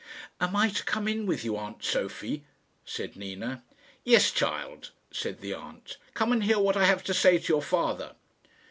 "Am I to come in with you, aunt Sophie?" said Nina. "Yes child," said the aunt; "come and hear what I have to say to your father."